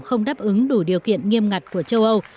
không đáp ứng đủ điều kiện nghiêm ngặt của châu âu